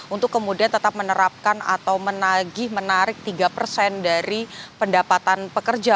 untuk kemudian tetap menerapkan atau menagih menarik tiga persen dari pendapatan pekerja